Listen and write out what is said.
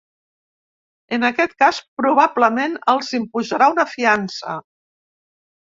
En aquest cas, probablement els imposarà una fiança.